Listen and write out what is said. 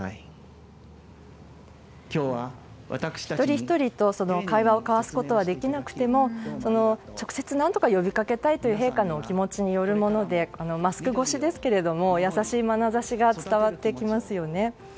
一人ひとりと会話を交わすことはできなくても直接何とか呼びかけたいという陛下のお気持ちによるものでマスク越しですけれども優しいまなざしが伝わってきますよね。